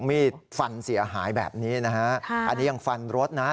มีดฟันเสียหายแบบนี้นะฮะค่ะอันนี้ยังฟันรถนะ